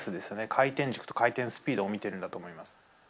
回転軸、回転スピードを見てるんだと思います。